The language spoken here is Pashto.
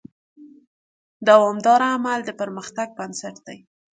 دوامداره عمل د پرمختګ بنسټ دی.